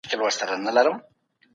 په دغه کوڅې کي د تګ اجازه چا درکړه؟